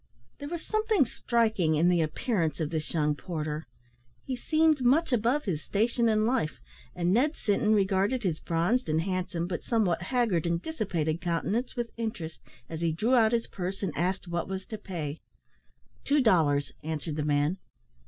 There was something striking in the appearance of this young porter; he seemed much above his station in life; and Ned Sinton regarded his bronzed and handsome, but somewhat haggard and dissipated countenance, with interest, as he drew out his purse, and asked what was to pay. "Two dollars," answered the man.